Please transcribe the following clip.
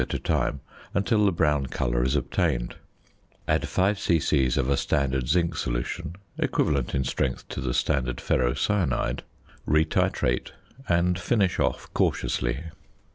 at a time, until the brown colour is obtained. Add 5 c.c. of a standard zinc solution, equivalent in strength to the standard "ferrocyanide," re titrate, and finish off cautiously.